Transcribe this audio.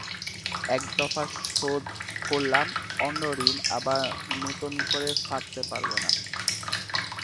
একদফা শোধ করলেম, অন্নঋণ আবার নূতন করে ফাঁদতে পারব না।